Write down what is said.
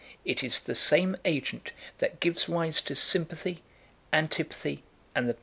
It is the same agent that gives rise to sympathy, antipathy, and the passions."